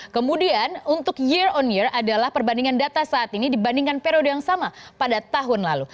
kemudian untuk year on year adalah perbandingan data saat ini dibandingkan periode yang sama pada tahun lalu